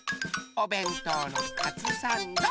おべんとうのカツサンド。